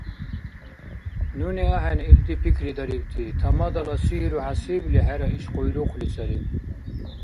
Нуни ахӀен илди пикридарибти Тамадала сихӀру хӀясибли хӀера иш къуйрукъли сари.